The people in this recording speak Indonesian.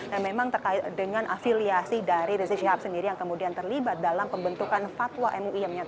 dan memang terkait dengan afiliasi dari zik sihab sendiri yang kemudian terlibat dalam pembentukan fatwa mui